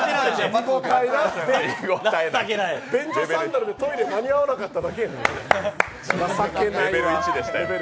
便所サンダルでトイレ間に合わなかっただけやん。